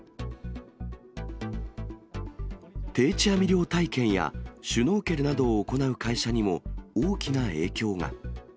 定置網漁体験や、シュノーケルなどを行う会社にも、大きな影響が。